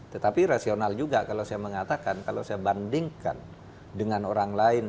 tetapi rasional juga kalau saya mengatakan kalau saya bandingkan dengan orang lain